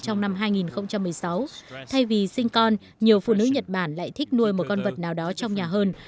trong năm hai nghìn một mươi sáu thay vì sinh con nhiều phụ nữ nhật bản lại thích nuôi một con vật nào đó trong nhà hơn